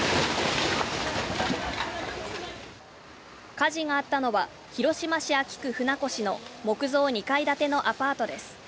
火事があったのは広島市安芸区船越の木造２階建てのアパートです。